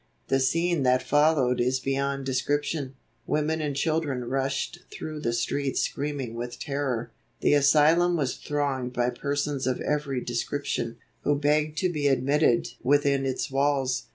The scene that followed is beyond description. Women and children rushed through the streets screaming with terror. The asylum was thronged by persons of every description, who begged to be admitted within its walls.